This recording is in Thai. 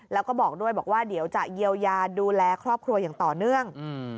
แล้วก็บอกด้วยบอกว่าเดี๋ยวจะเยียวยาดูแลครอบครัวอย่างต่อเนื่อง